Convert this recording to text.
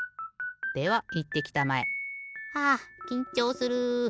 ではいってきたまえ。はあきんちょうする。